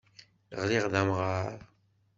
Ɣliɣ d amɣar.